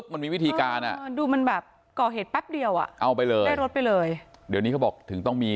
มันมีวิธีการอ่ะดูมันแบบก่อเหตุแป๊บเดียวอ่ะเอาไปเลยได้รถไปเลยเดี๋ยวนี้เขาบอกถึงต้องมี